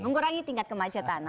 mengurangi tingkat kemacetan